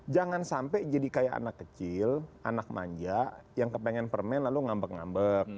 jangan sampai jadi kayak anak kecil anak manja yang kepengen permen lalu ngambek ngambek